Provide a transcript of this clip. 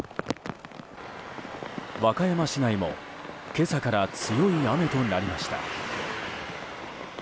和歌山市内も今朝から強い雨となりました。